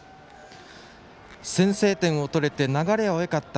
先制点を取れて流れはよかった。